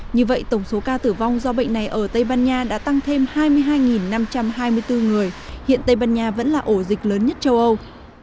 như vậy tổng số ca tử vong do bệnh này ở tây ban nha đã tăng thêm hai mươi hai năm trăm hai mươi bốn người hiện tây ban nha vẫn là ổ dịch lớn nhất châu âu